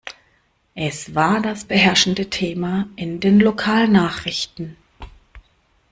Es war das beherrschende Thema in den Lokalnachrichten.